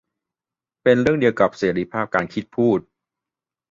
เป็นเรื่องเดียวกับเสรีภาพการคิด พูด